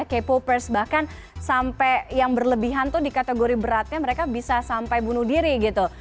k popers bahkan sampai yang berlebihan tuh di kategori beratnya mereka bisa sampai bunuh diri gitu